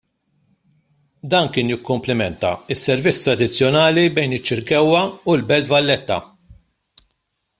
Dan kien jikkumplementa s-servizz tradizzjonali bejn iċ-Ċirkewwa u l-Belt Valletta.